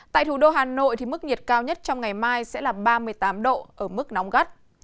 tại thủ đô hà nội mức nhiệt cao nhất trong ngày mai sẽ là ba mươi tám độ ở mức nóng gắt